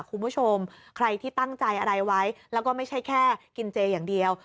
คุณผู้ชมใครที่ตั้งใจอะไรไว้แล้วก็ไม่ใช่แค่กินเจอย่างเดียว